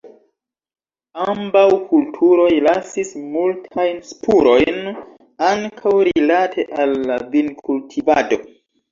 Ambaŭ kulturoj lasis multajn spurojn, ankaŭ rilate al la vinkultivado.